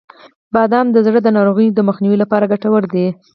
• بادام د زړه د ناروغیو د مخنیوي لپاره ګټور دي.